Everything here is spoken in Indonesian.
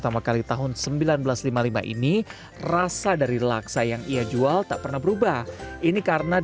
tambahan telur aja gitu aja